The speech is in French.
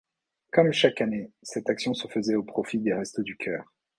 Comme chaque année, cette action se faisait au profit des Restos du Cœur.